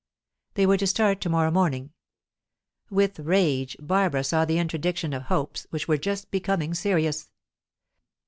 They were to start to morrow morning. With rage Barbara saw the interdiction of hopes which were just becoming serious.